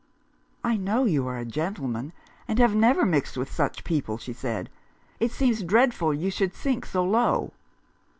" I know you are a gentleman, and have never mixed with such people," she said. " It seems dreadful you should sink so low."